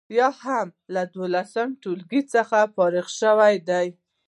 یا هم له دولسم ټولګي څخه فارغې شوي دي.